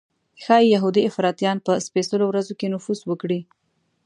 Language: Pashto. ښایي یهودي افراطیان په سپېڅلو ورځو کې نفوذ وکړي.